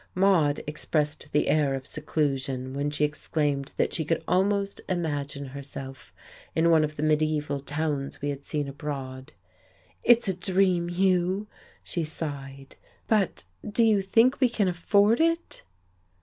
Maude expressed the air of seclusion when she exclaimed that she could almost imagine herself in one of the mediaeval towns we had seen abroad. "It's a dream, Hugh," she sighed. "But do you think we can afford it?"...